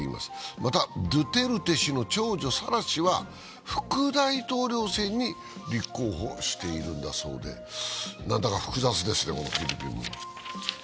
また、ドゥテルテ氏の長女・サラ氏は副大統領選に立候補をしているんだそうでなんだか複雑ですね、フィリピン。